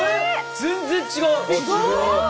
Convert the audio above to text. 全然違う！